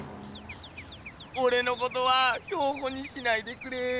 おれのことは標本にしないでくれぇ。